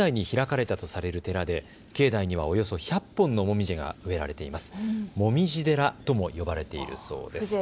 江戸時代に開かれたとされる寺で境内にはおよそ１００本のモミジが植えられています。